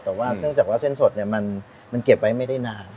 แต่ว่าเนื่องจากว่าเส้นสดมันเก็บไว้ไม่ได้นาน